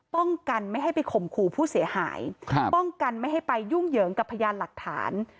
ป้องกันไม่ให้ไปข่มขู่ผู้เสียหายป้องกันไม่ให้ไปยุ่งเหยิงกับพยานหลักฐาน